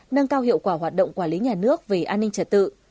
nâng cao hiệu quả hoạt động quản lý nhà nước về an ninh trật tự